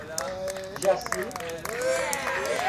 Jaci